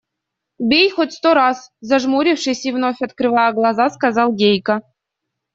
– Бей хоть сто раз, – зажмурившись и вновь открывая глаза, сказал Гейка.